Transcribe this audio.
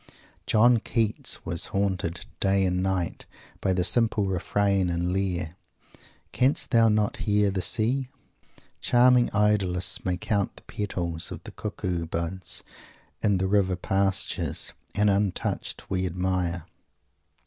John Keats was haunted day and night by the simple refrain in Lear, "Canst thou not hear the Sea?" Charming Idyllists may count the petals of the cuckoo buds in the river pastures; and untouched, we admire.